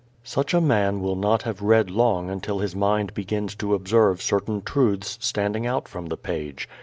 Such a man will not have read long until his mind begins to observe certain truths standing out from the page.